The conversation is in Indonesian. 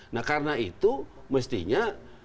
nah karena itu mestinya